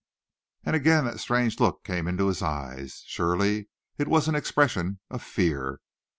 Again that strange look came into his eyes. Surely it was an expression of fear.